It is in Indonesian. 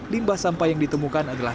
limbah sampah yang ditemukan adalah